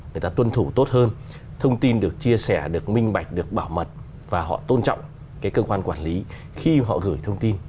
người ta tuân thủ tốt hơn thông tin được chia sẻ được minh bạch được bảo mật và họ tôn trọng cái cơ quan quản lý khi họ gửi thông tin